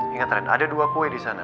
ingat trend ada dua kue di sana